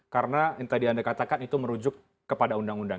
karena yang tadi anda katakan itu merujuk kepada undang undang